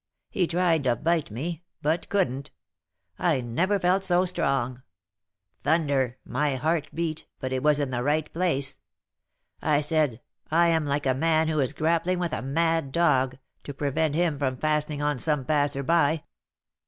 He tried to bite me, but couldn't; I never felt so strong. Thunder! my heart beat, but it was in the right place. I said, 'I am like a man who is grappling with a mad dog, to prevent him from fastening on some passer by.'